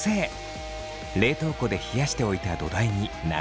冷凍庫で冷やしておいた土台に流し込みます。